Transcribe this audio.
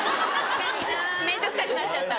・面倒くさくなっちゃった